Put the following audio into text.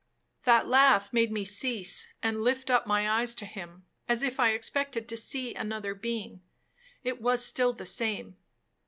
'That laugh made me cease, and lift up my eyes to him, as if I expected to see another being,—it was still the same.